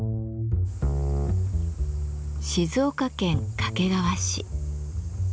静岡県掛川市。